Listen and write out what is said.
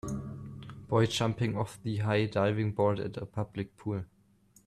Boy jumping off the high diving board at a public pool.